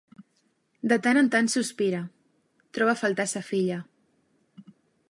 De tant en tant sospira: troba a faltar sa filla.